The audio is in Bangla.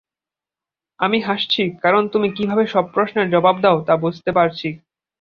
আমি হাসছি, কারণ তুমি কীভাবে সব প্রশ্নের জবাব দাও, তা বুঝতে পারছি।